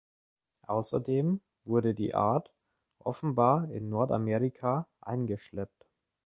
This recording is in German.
Außerdem wurde die Art offenbar in Nordamerika eingeschleppt.